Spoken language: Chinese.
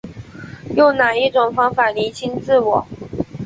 用哪一种方法厘清自我